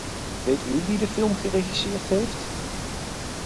Weet u wie de film geregisseerd heeft?